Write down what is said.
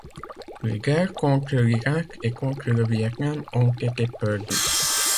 Les guerres contre l'Irak et contre le Vietnam ont été perdues.